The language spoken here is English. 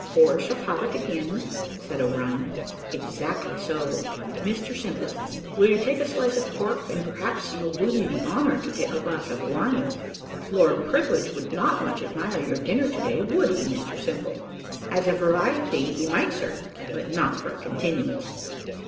"Force of habit again," said O'Brien. "Exactly so. Mr Simple, will you take a slice of this pork; and perhaps you'll do me the honour to take a glass of wine? Lord Privilege would not much admire your dinner to day, would he, Mr Simple?" "As a variety he might, sir, but not for a continuance."